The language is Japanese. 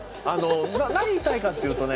何言いたいかっていうとね。